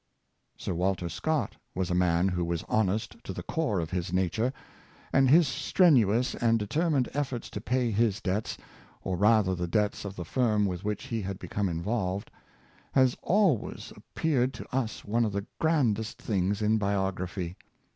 Sir Walter Scott was a man who was honest to the core of his nature; and his strenuous and determined efforts to pay his debts, or rather the debts of the firm with which he had become involved, has always ap peared to us one of the grandest things in biography.